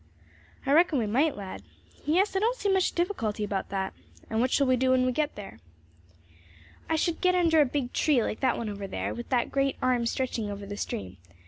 "I reckon we might, lad. Yes, I don't see much difficulty about that. And what shall we do when we get there?" "I should get under a big tree, like that one over there, with that great arm stretching over the stream.